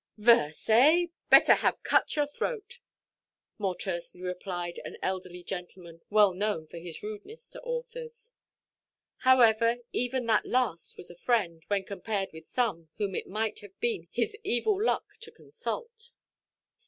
"Verse, eh? Better have cut your throat," more tersely replied an elderly gentleman, well known for his rudeness to authors. However, even that last was a friend, when compared with some whom it might have been his evil luck to consult.